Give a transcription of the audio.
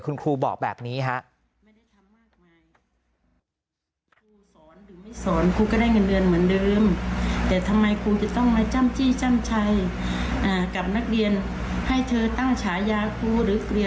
คุณครูบอกแบบนี้ฮะ